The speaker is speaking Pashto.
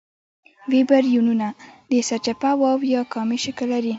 ویبریونونه د سرچپه واو یا کامي شکل لري.